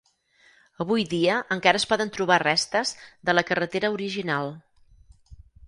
Avui dia encara es poden trobar restes de la carretera original.